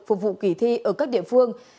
phục vụ kỳ thi ở các địa phương